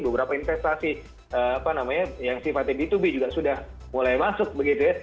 beberapa investasi apa namanya yang sifatnya b dua b juga sudah mulai masuk begitu ya